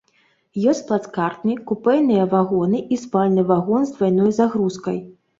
Ёсць плацкартны, купэйныя вагоны і спальны вагон з двайной загрузкай.